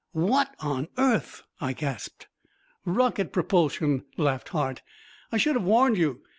"What on earth?" I gasped. "Rocket propulsion," laughed Hart. "I should have warned you.